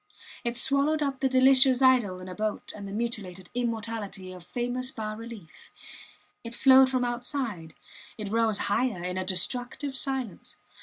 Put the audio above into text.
It swallowed up the delicious idyll in a boat and the mutilated immortality of famous bas reliefs. It flowed from outside it rose higher, in a destructive silence.